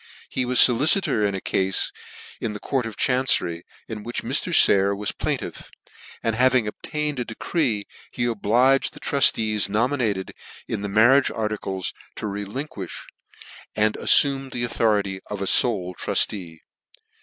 He was foli citor in a caufe in the court of chancery, in which Mr. Sayer was plaintiff, and having obtained a de cree, he obliged the truftees nominated in the'mar riage articles to relinquifh, andaffumed the autho rity of a fole truftee.